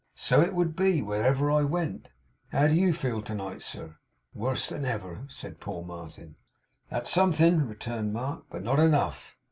So it would be, wherever I went. How do you feel to night, sir?' 'Worse than ever,' said poor Martin. 'That's something,' returned Mark, 'but not enough.